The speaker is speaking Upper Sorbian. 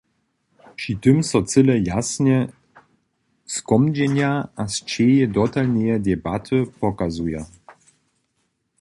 Při tym so cyle jasnje skomdźenja a sćěhi dotalneje debaty pokazuja.